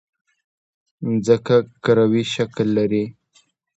مځکه کروي شکل لري.